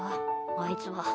あいつは。